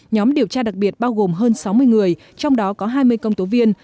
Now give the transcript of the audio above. nhóm điều tra đặc biệt bao gồm hơn sáu mươi người trong đó có hai mươi công tố viên